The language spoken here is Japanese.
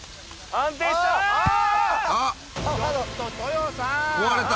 安定した。